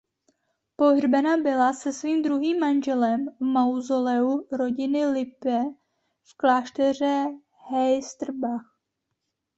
Pohřbena byla se svým druhým manželem v mauzoleu rodiny Lippe v klášteře Heisterbach.